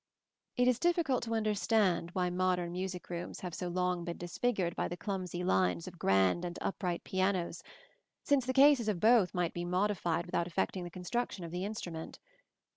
It is difficult to understand why modern music rooms have so long been disfigured by the clumsy lines of grand and upright pianos, since the cases of both might be modified without affecting the construction of the instrument.